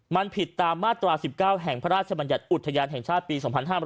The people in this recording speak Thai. มันผิดตามมาตรา๑๙แห่งพระราชบัญญัติอุทยานแห่งชาติปี๒๕๕๙